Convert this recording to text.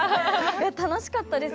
楽しかったです